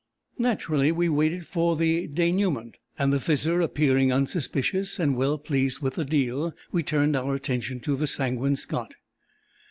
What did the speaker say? Naturally we waited for the denouement, and the Fizzer appearing unsuspicious and well pleased with the deal, we turned our attention to the Sanguine Scot.